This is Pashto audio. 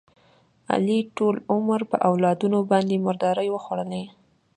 علي ټول عمر په اولادونو باندې مردارې وخوړلې.